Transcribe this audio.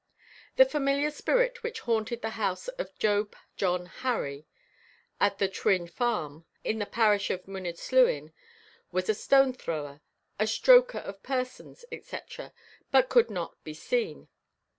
The familiar spirit which haunted the house of Job John Harry, at the Trwyn Farm, in the parish of Mynyddyslwyn, was a stone thrower, a stroker of persons, etc., but could not be seen.